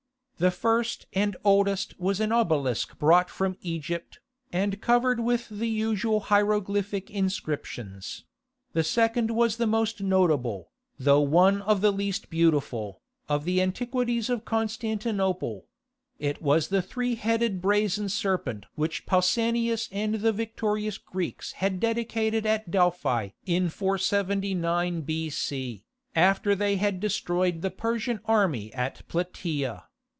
The first and oldest was an obelisk brought from Egypt, and covered with the usual hieroglyphic inscriptions; the second was the most notable, though one of the least beautiful, of the antiquities of Constantinople: it was the three headed brazen serpent which Pausanias and the victorious Greeks had dedicated at Delphi in 479 B.C., after they had destroyed the Persian army at Platæa.